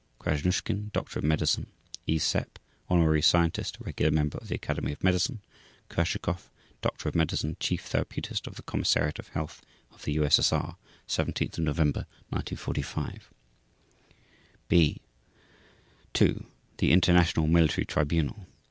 /s/ KRASNUSHKIN Doctor of Medicine /s/ E. SEPP Honorary Scientist, Regular Member of the Academy of Medicine /s/ KURSHAKOV Doctor of Medicine, Chief Therapeutist of the Commissariat of Health of the U.S.S.R. 17 November 1945 B To: The International Military Tribunal.